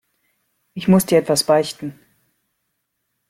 Ich muss dir etwas beichten.